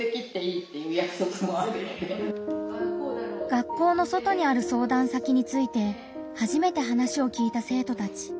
学校の外にある相談先についてはじめて話を聞いた生徒たち。